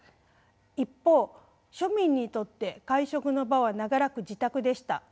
一方庶民にとって会食の場は長らく自宅でした。